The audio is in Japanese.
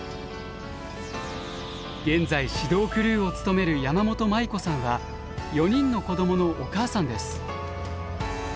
現在指導クルーを務める山本真衣子さんは４人の子どものお母さんです。